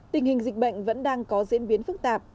tình hình dịch bệnh vẫn đang có diễn biến phức tạp